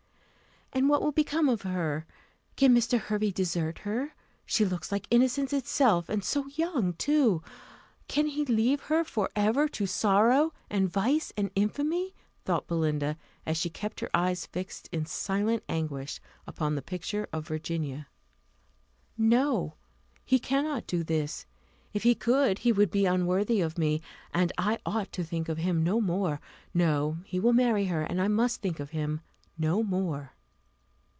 "And what will become of her? can Mr. Hervey desert her? she looks like innocence itself and so young, too! Can he leave her for ever to sorrow, and vice, and infamy?" thought Belinda, as she kept her eyes fixed, in silent anguish, upon the picture of Virginia. "No, he cannot do this: if he could he would be unworthy of me, and I ought to think of him no more. No; he will marry her; and I must think of him no more."